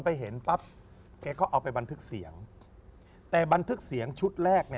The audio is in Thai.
แต่บันทึกเสียงชุดแรก